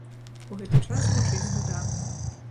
У гэты час гучыць дуда.